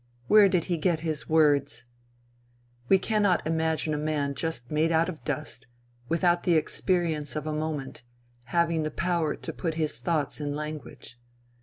Where did he get his words? We cannot imagine a man just made out of dust, without the experience of a moment, having the power to put his thoughts in language.